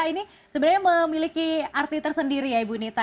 ini sebenarnya memiliki arti tersendiri ya ibu nita